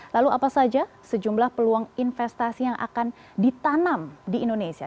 lalu apa saja sejumlah peluang investasi yang akan ditanam di indonesia